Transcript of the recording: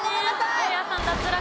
大家さん脱落です。